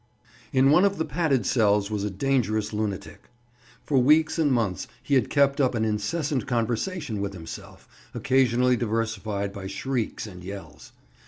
IN one of the padded cells was a dangerous lunatic. For weeks and months he had kept up an incessant conversation with himself, occasionally diversified by shrieks and yells.